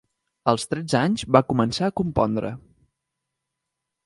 Als tretze anys va començar a compondre.